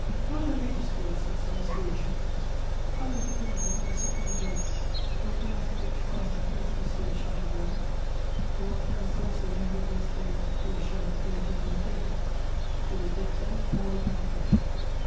Not every disgrace is a misfortune; public opinion, the supreme judge, will tell us in which class to place M. de Chateaubriand; it will tell us also to whom this day's decree shall have proved the more fatal, to the victor or the vanquished.